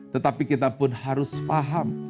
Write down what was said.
tetapi kita pun harus paham